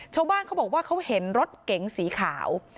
ชาวบ้านเขาบอกว่าเขาเห็นรถเก๋งสีขาว